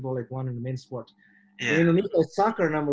bola sepak bola seperti satu dari suatu sepak bola utama